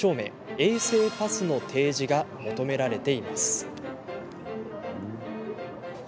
・衛生パスの提示が求められています。